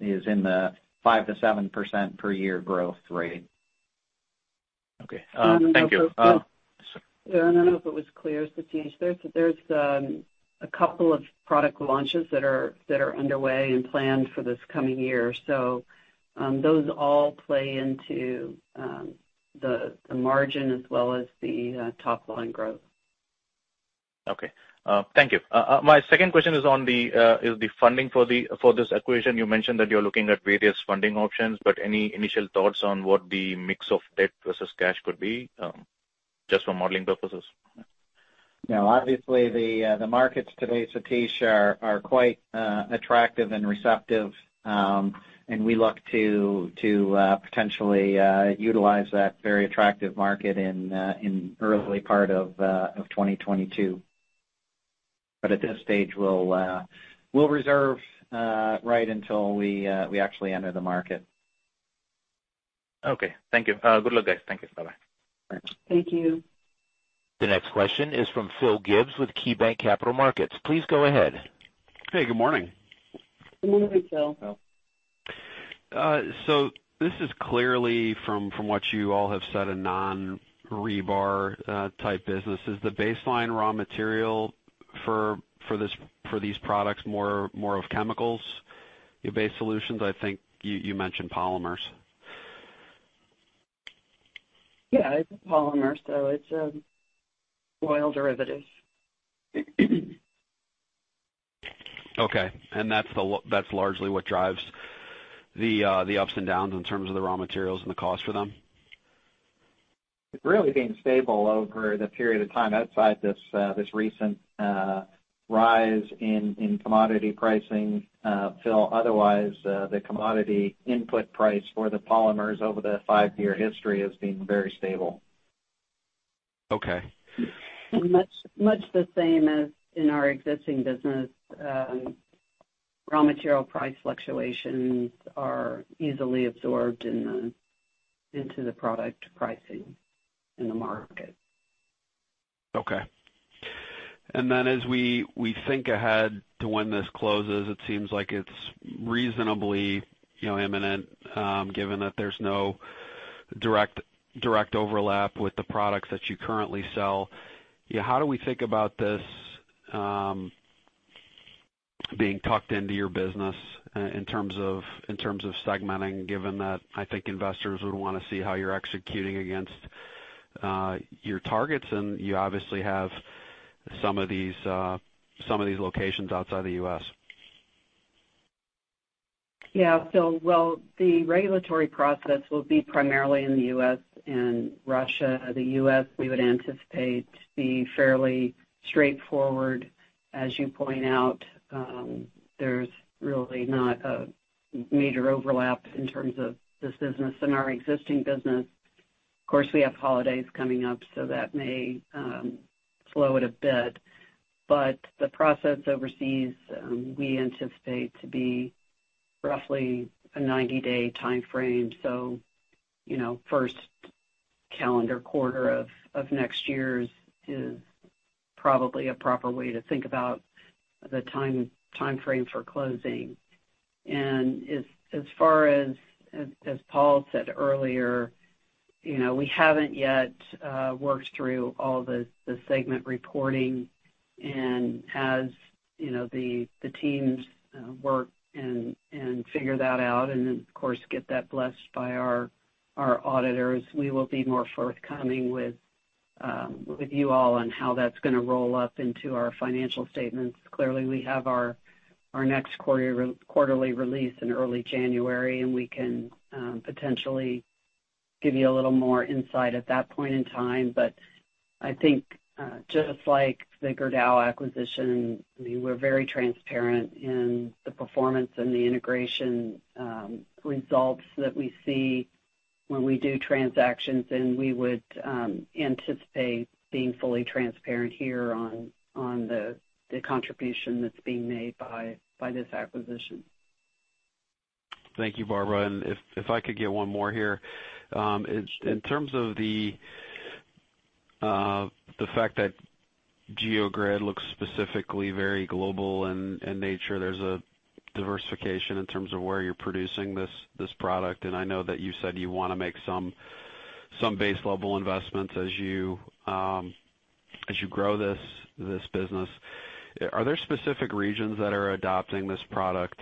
is in the 5%-7% per year growth rate. Okay. Thank you. I don't know if it was. Sorry. Yeah, I don't know if it was clear, Sathish. There's a couple of product launches that are underway and planned for this coming year. Those all play into the margin as well as the top line growth. Thank you. My second question is on the funding for this acquisition. You mentioned that you're looking at various funding options, but any initial thoughts on what the mix of debt versus cash could be, just for modeling purposes? No. Obviously the markets today, Sathish, are quite attractive and receptive. We look to potentially utilize that very attractive market in early part of 2022. At this stage, we'll reserve right until we actually enter the market. Okay. Thank you. Good luck, guys. Thank you. Bye-bye. Bye. Thank you. The next question is from Phil Gibbs with KeyBanc Capital Markets. Please go ahead. Hey, good morning. Good morning, Phil. Phil. This is clearly, from what you all have said, a non-rebar type business. Is the baseline raw material for these products more of chemicals-based solutions? I think you mentioned polymers. Yeah, it's a polymer, so it's an oil derivative. Okay. That's largely what drives the ups and downs in terms of the raw materials and the cost for them? It's really been stable over the period of time outside this recent rise in commodity pricing, Phil. Otherwise, the commodity input price for the polymers over the five-year history has been very stable. Okay. Much, much the same as in our existing business, raw material price fluctuations are easily absorbed into the product pricing in the market. Okay. Then as we think ahead to when this closes, it seems like it's reasonably imminent, given that there's no direct overlap with the products that you currently sell. Yeah, how do we think about this being tucked into your business in terms of segmenting, given that I think investors would wanna see how you're executing against your targets, and you obviously have some of these locations outside the U.S.? Yeah. Well, the regulatory process will be primarily in the U.S. and Russia. The U.S., we would anticipate to be fairly straightforward. As you point out, there's really not a major overlap in terms of this business and our existing business. Of course, we have holidays coming up, so that may slow it a bit. The process overseas, we anticipate to be roughly a 90-day timeframe. You know, first calendar quarter of next year is probably a proper way to think about the timeframe for closing. As far as Paul said earlier, you know, we haven't yet worked through all the segment reporting. As you know, the teams work and figure that out, and then of course get that blessed by our auditors, we will be more forthcoming with you all on how that's gonna roll up into our financial statements. Clearly, we have our next quarterly release in early January, and we can potentially give you a little more insight at that point in time. I think just like the Gerdau acquisition, we were very transparent in the performance and the integration results that we see when we do transactions, and we would anticipate being fully transparent here on the contribution that's being made by this acquisition. Thank you, Barbara. If I could get one more here. In terms of the fact that geogrid looks specifically very global in nature, there's a diversification in terms of where you're producing this product, and I know that you said you wanna make some base-level investments as you grow this business. Are there specific regions that are adopting this product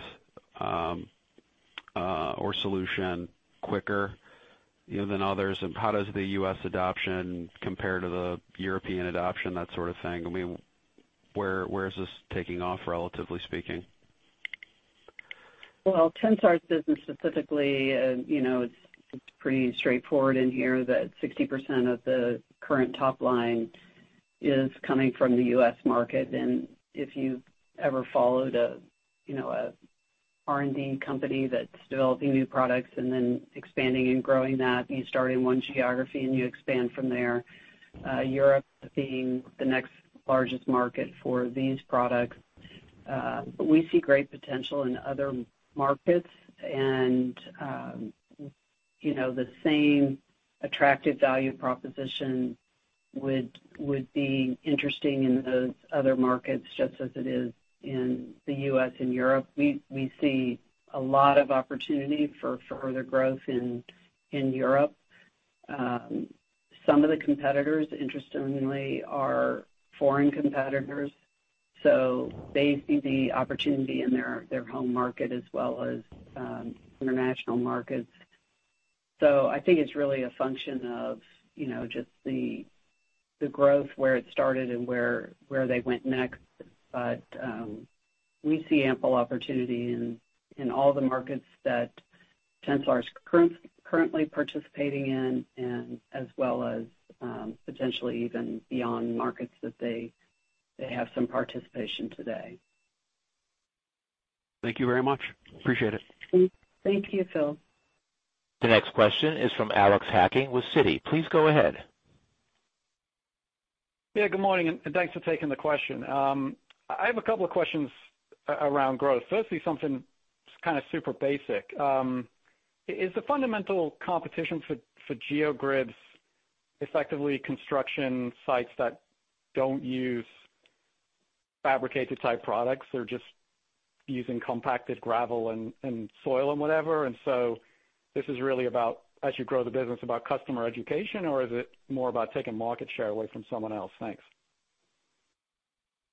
or solution quicker, you know, than others? How does the U.S. adoption compare to the European adoption, that sort of thing? I mean, where is this taking off, relatively speaking? Well, Tensar's business specifically, you know, it's pretty straightforward in here that 60% of the current top line is coming from the U.S. market. If you've ever followed you know a R&D company that's developing new products and then expanding and growing that, you start in one geography, and you expand from there, Europe being the next largest market for these products. We see great potential in other markets and, you know, the same attractive value proposition would be interesting in those other markets just as it is in the U.S. and Europe. We see a lot of opportunity for further growth in Europe. Some of the competitors, interestingly, are foreign competitors, so they see the opportunity in their home market as well as international markets. I think it's really a function of, you know, just the growth where it started and where they went next. We see ample opportunity in all the markets that Tensar is currently participating in and as well as potentially even beyond markets that they have some participation today. Thank you very much. Appreciate it. Thank you, Phil. The next question is from Alex Hacking with Citi. Please go ahead. Yeah. Good morning, and thanks for taking the question. I have a couple of questions around growth. Firstly, something just kind of super basic. Is the fundamental competition for Geogrids effectively construction sites that don't use fabricated type products? They're just using compacted gravel and soil and whatever. This is really about, as you grow the business, about customer education, or is it more about taking market share away from someone else? Thanks.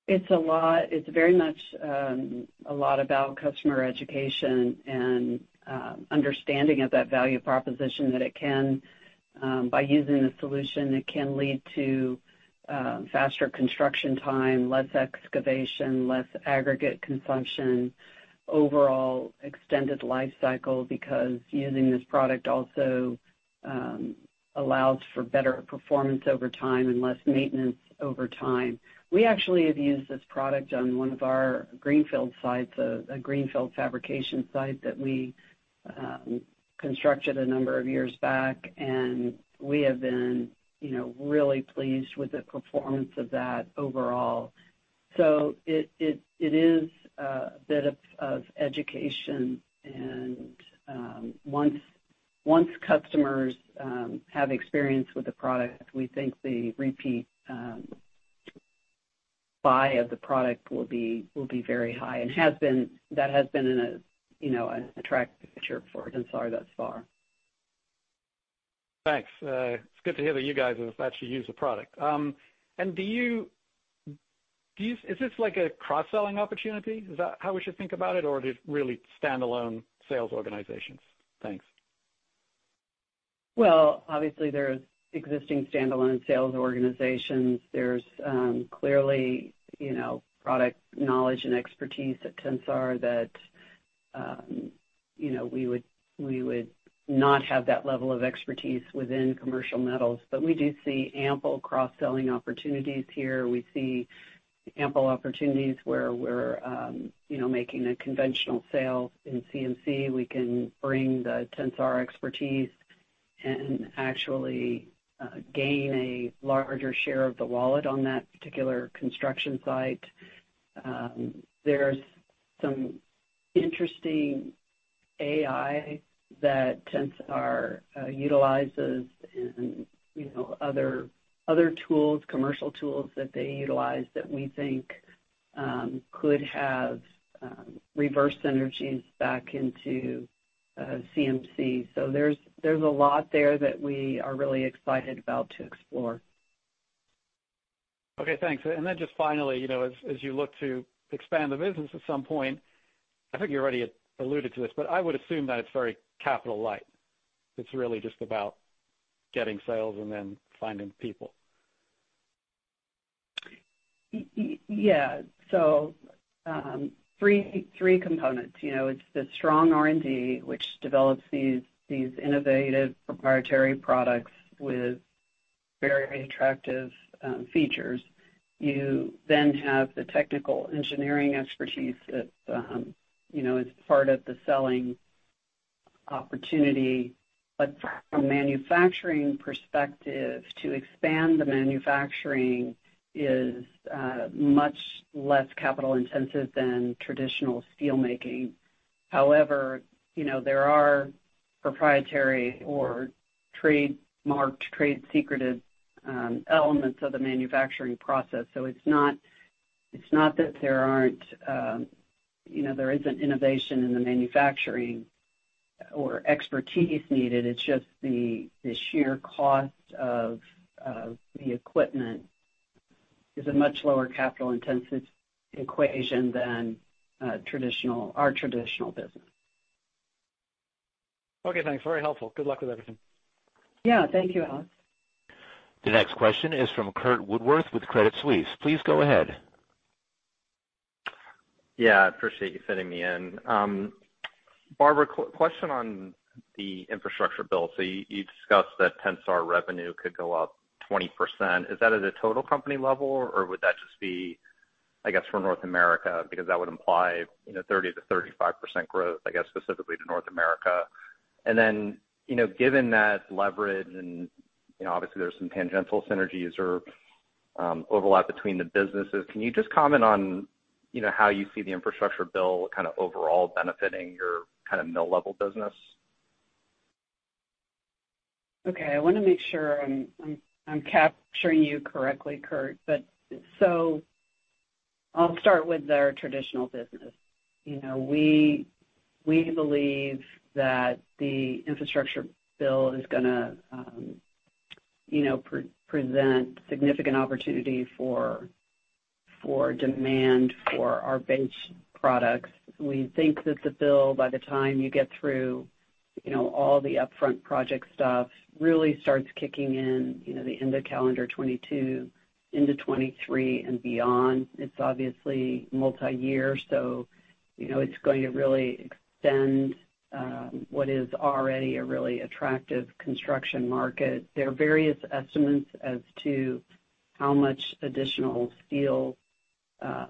It's a lot. It's very much a lot about customer education and understanding of that value proposition that it can, by using the solution, it can lead to faster construction time, less excavation, less aggregate consumption, overall extended life cycle, because using this product also allows for better performance over time and less maintenance over time. We actually have used this product on one of our greenfield sites, a greenfield fabrication site that we constructed a number of years back, and we have been, you know, really pleased with the performance of that overall. So it is a bit of education and, once customers have experience with the product, we think the repeat buy of the product will be very high and has been. That has been, you know, a track record for Tensar thus far. Thanks. It's good to hear that you guys have actually used the product. Is this like a cross-selling opportunity? Is that how we should think about it? Or are they really standalone sales organizations? Thanks. Well, obviously, there's existing standalone sales organizations. There's clearly, you know, product knowledge and expertise at Tensar that, you know, we would not have that level of expertise within Commercial Metals. We do see ample cross-selling opportunities here. We see ample opportunities where we're, you know, making a conventional sale in CMC. We can bring the Tensar expertise and actually gain a larger share of the wallet on that particular construction site. There's some interesting AI that Tensar utilizes and, you know, other tools, commercial tools that they utilize that we think could have reverse synergies back into CMC. There's a lot there that we are really excited about to explore. Okay, thanks. Just finally, you know, as you look to expand the business at some point, I think you already alluded to this, but I would assume that it's very capital light. It's really just about getting sales and then finding people. Yeah. Three components, you know. It's the strong R&D, which develops these innovative proprietary products with very attractive features. You then have the technical engineering expertise that, you know, is part of the selling opportunity. But from a manufacturing perspective, to expand the manufacturing is much less capital-intensive than traditional steel making. However, you know, there are proprietary or trademarked, trade secretive elements of the manufacturing process. It's not that there aren't, you know, there isn't innovation in the manufacturing or expertise needed. It's just the sheer cost of the equipment is a much lower capital-intensive equation than traditional, our traditional business. Okay, thanks. Very helpful. Good luck with everything. Yeah. Thank you, Alex. The next question is from Curt Woodworth with Credit Suisse. Please go ahead. Yeah, I appreciate you fitting me in. Barbara, question on the infrastructure bill. You discussed that Tensar revenue could go up 20%. Is that at a total company level, or would that just be, I guess, for North America? Because that would imply, you know, 30%-35% growth, I guess, specifically to North America. You know, given that leverage and, you know, obviously there's some tangential synergies or, overlap between the businesses, can you just comment on, you know, how you see the infrastructure bill kind of overall benefiting your kind of mill-level business? Okay. I wanna make sure I'm capturing you correctly, Curt. I'll start with our traditional business. You know, we believe that the infrastructure bill is gonna present significant opportunity for demand for our base products. We think that the bill, by the time you get through all the upfront project stuff, really starts kicking in the end of calendar 2022 into 2023 and beyond. It's obviously multiyear, you know, it's going to really extend what is already a really attractive construction market. There are various estimates as to how much additional steel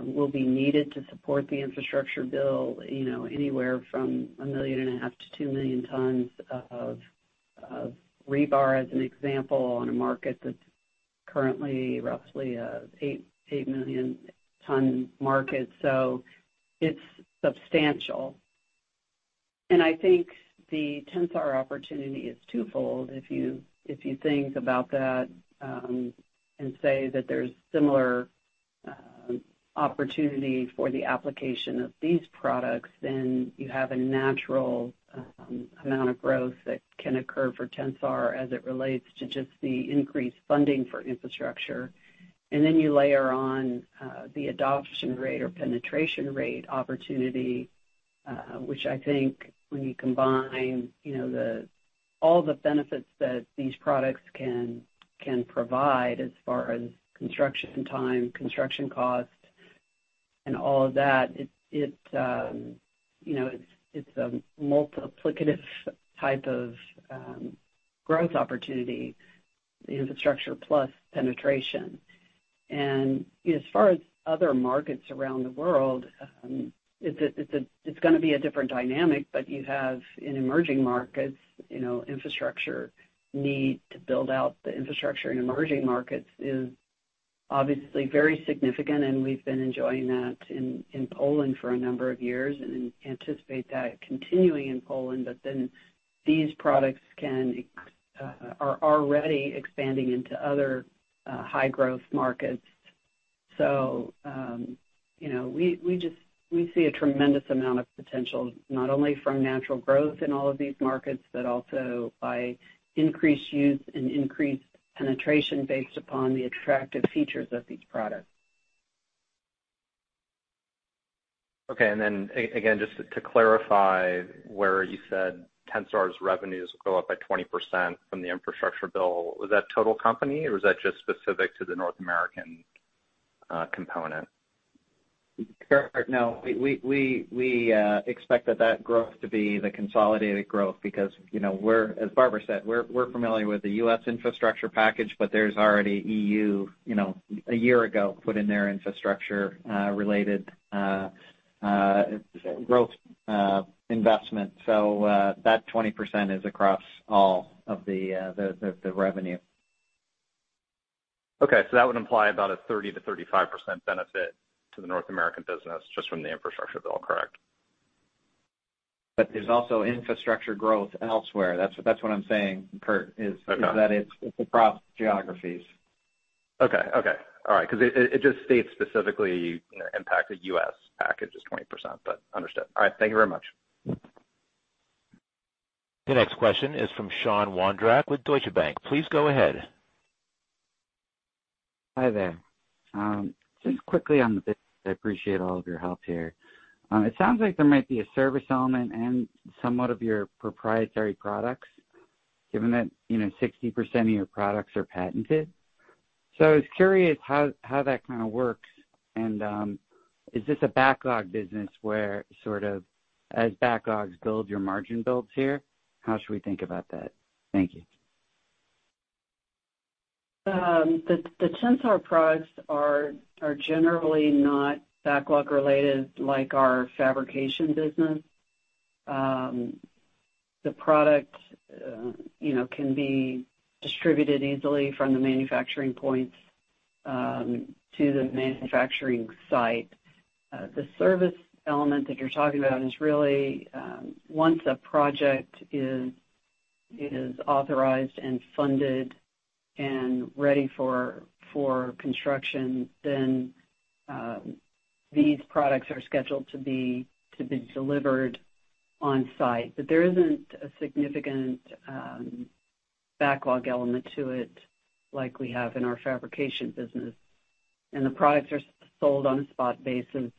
will be needed to support the infrastructure bill, you know, anywhere from 1.5 million tons-2 million tons of rebar, as an example, on a market that's currently roughly 8 million ton market. It's substantial. I think the Tensar opportunity is twofold. If you think about that, and say that there's similar opportunity for the application of these products, then you have a natural amount of growth that can occur for Tensar as it relates to just the increased funding for infrastructure. You layer on the adoption rate or penetration rate opportunity, which I think when you combine, you know, all the benefits that these products can provide as far as construction time, construction cost, and all of that, it you know it's a multiplicative type of growth opportunity, infrastructure plus penetration. As far as other markets around the world, it's gonna be a different dynamic, but you have in emerging markets, you know, infrastructure need to build out the infrastructure in emerging markets is obviously very significant, and we've been enjoying that in Poland for a number of years and anticipate that continuing in Poland. These products are already expanding into other high-growth markets. You know, we see a tremendous amount of potential not only from natural growth in all of these markets, but also by increased use and increased penetration based upon the attractive features of these products. Okay. Again, just to clarify where you said Tensar's revenues will go up by 20% from the infrastructure bill, was that total company, or was that just specific to the North American component? Kurt, no. We expect that growth to be the consolidated growth because, you know, we're, as Barbara said, we're familiar with the U.S. infrastructure package, but there's already E.U., you know, a year ago, put in their infrastructure related growth investment. So, that 20% is across all of the revenue. Okay. That would imply about a 30%-35% benefit to the North American business just from the infrastructure bill, correct? There's also infrastructure growth elsewhere. That's what I'm saying, Curt- Okay. is that it's across geographies. Okay. All right. 'Cause it just states specifically, you know, impact to U.S. package is 20%, but understood. All right. Thank you very much. The next question is from Sean Wondrack with Deutsche Bank. Please go ahead. Hi there. Just quickly on the business. I appreciate all of your help here. It sounds like there might be a service element and somewhat of your proprietary products given that, you know, 60% of your products are patented. So I was curious how that kinda works. Is this a backlog business where sort of as backlogs build, your margin builds here? How should we think about that? Thank you. The Tensar products are generally not backlog related like our fabrication business. The product, you know, can be distributed easily from the manufacturing points to the manufacturing site. The service element that you're talking about is really once a project is authorized and funded and ready for construction, then these products are scheduled to be delivered on-site. There isn't a significant backlog element to it like we have in our fabrication business. The products are sold on a spot basis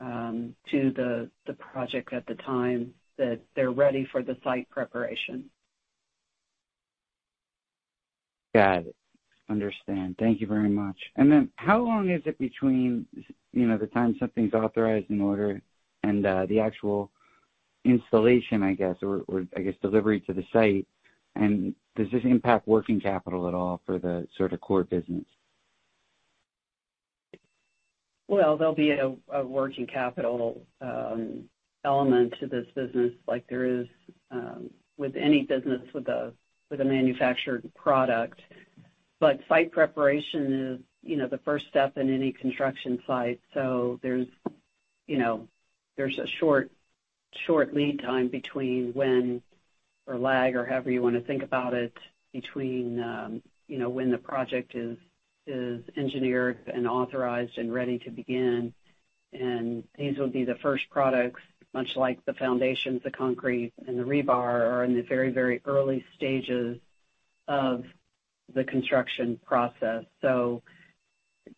to the project at the time that they're ready for the site preparation. Got it. Understand. Thank you very much. How long is it between, you know, the time something's authorized and ordered and the actual installation, I guess, or I guess, delivery to the site? Does this impact working capital at all for the sort of core business? Well, there'll be a working capital element to this business like there is with any business with a manufactured product. Site preparation is, you know, the first step in any construction site. There's, you know, a short lead time between when or lag or however you wanna think about it between when the project is engineered and authorized and ready to begin, and these will be the first products, much like the foundations, the concrete, and the rebar are in the very early stages of the construction process.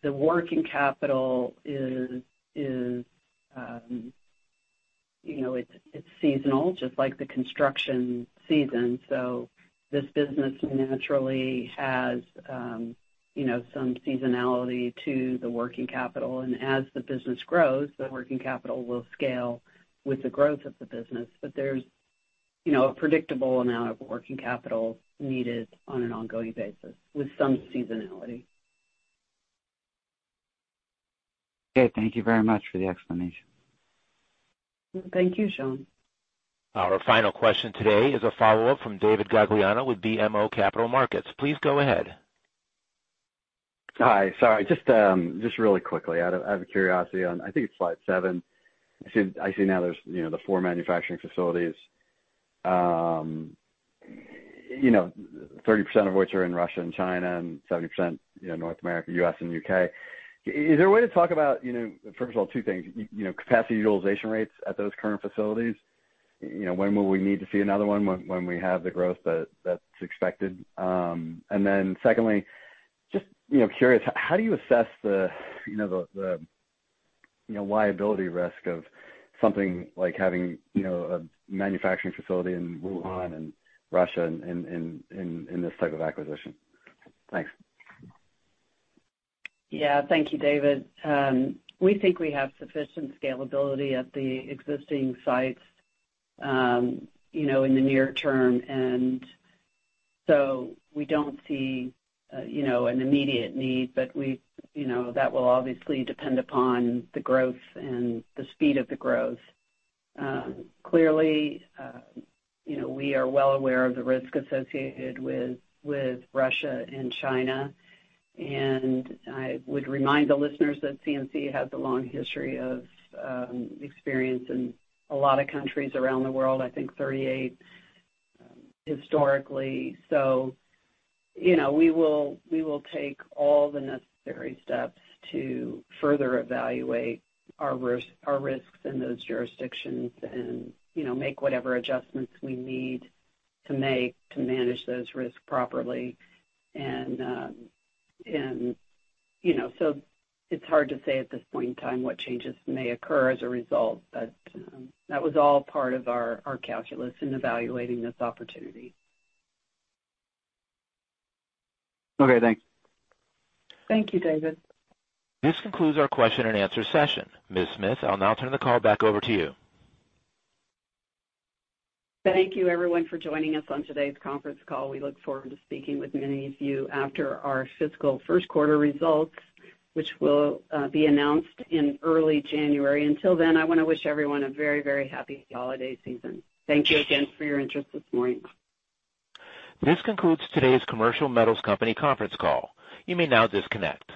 The working capital is, you know, it's seasonal, just like the construction season. This business naturally has, you know, some seasonality to the working capital. As the business grows, the working capital will scale with the growth of the business. There's, you know, a predictable amount of working capital needed on an ongoing basis with some seasonality. Okay. Thank you very much for the explanation. Thank you, Sean. Our final question today is a follow-up from David Gagliano with BMO Capital Markets. Please go ahead. Hi. Sorry. Just really quickly, out of curiosity on, I think it's slide seven. I see now there's, you know, the four manufacturing facilities, you know, 30% of which are in Russia and China and 70%, you know, North America, U.S. and U.K. Is there a way to talk about, you know, first of all, two things, you know, capacity utilization rates at those current facilities? You know, when will we need to see another one when we have the growth that's expected? And then secondly, just, you know, curious, how do you assess the, you know, the liability risk of something like having, you know, a manufacturing facility in Wuhan and Russia in this type of acquisition? Thanks. Yeah. Thank you, David. We think we have sufficient scalability at the existing sites, you know, in the near term. We don't see, you know, an immediate need. You know, that will obviously depend upon the growth and the speed of the growth. Clearly, you know, we are well aware of the risk associated with Russia and China. I would remind the listeners that CMC has a long history of experience in a lot of countries around the world, I think 38 historically. You know, we will take all the necessary steps to further evaluate our risks in those jurisdictions and, you know, make whatever adjustments we need to make to manage those risks properly. You know, it's hard to say at this point in time what changes may occur as a result, but that was all part of our calculus in evaluating this opportunity. Okay, thanks. Thank you, David. This concludes our question and answer session. Ms. Smith, I'll now turn the call back over to you. Thank you everyone for joining us on today's conference call. We look forward to speaking with many of you after our fiscal first quarter results, which will be announced in early January. Until then, I wanna wish everyone a very, very happy holiday season. Thank you again for your interest this morning. This concludes today's Commercial Metals Company conference call. You may now disconnect.